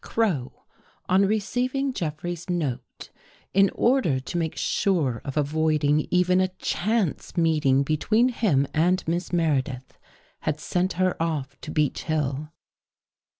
Crow, on receiving Jeffrey's note, in order to make sure of avoiding even a chance meeting between him and Miss Meredith, had sent her off to Beech Hill.